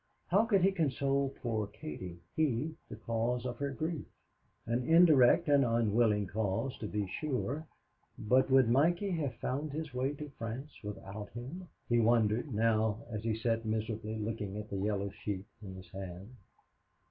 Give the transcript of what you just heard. How could he console poor Katie he, the cause of her grief? An indirect and unwilling cause, to be sure, but would Mikey have found his way to France without him? he wondered now, as he sat miserably looking at the yellow sheet in his hand.